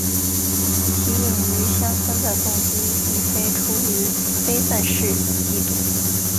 其隐于乡野的动机亦非出于非愤世嫉俗。